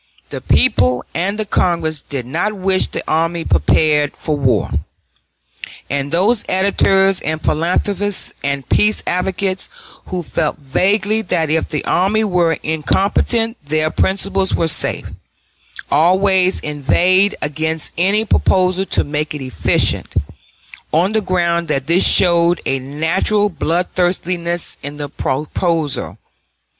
The people and the Congress did not wish the army prepared for war; and those editors and philanthropists and peace advocates who felt vaguely that if the army were incompetent their principles were safe, always inveighed against any proposal to make it efficient, on the ground that this showed a natural bloodthirstiness in the proposer.